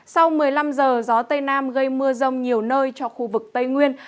sau một mươi năm giờ gió tây nam gây mưa rông nhiều nơi cho khu vực tây nguyên